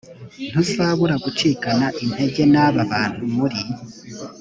ntuzabura gucikana intege n’aba bantu muri